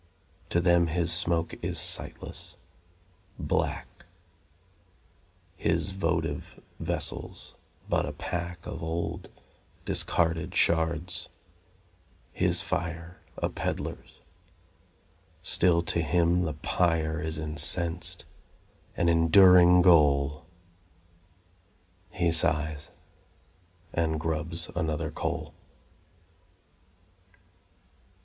To them his smoke is sightless, black, His votive vessels but a pack Of old discarded shards, his fire A peddler's; still to him the pyre Is incensed, an enduring goal! He sighs and grubs another coal.